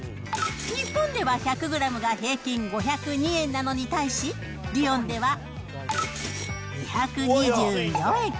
日本では１００グラムが平均５０２円なのに対して、リヨンでは２２４円。